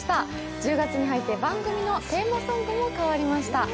１０月に入って番組のテーマソングも変わりました。